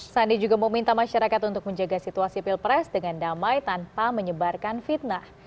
sandi juga meminta masyarakat untuk menjaga situasi pilpres dengan damai tanpa menyebarkan fitnah